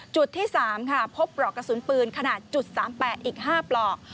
จุดที่๓ค่ะพบปลอกกระสุนปืนขนาด๓๘อีก๕ปลอก